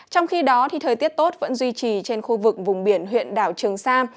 trong khi đó thời tiết tốt vẫn duy trì trên khu vực vùng biển huyện đảo trường sa